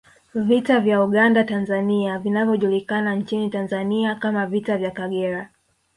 Vita vya Uganda Tanzania vinavyojulikana nchini Tanzania kama Vita vya Kagera